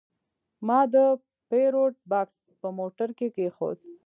ما د پیرود بکس په موټر کې کېښود.